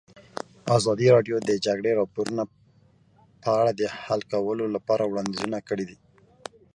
ازادي راډیو د د جګړې راپورونه په اړه د حل کولو لپاره وړاندیزونه کړي.